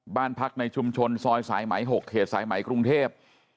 บ้านพักในชุมชนซอยสายไหม๖เขตสายไหมกรุงเทพ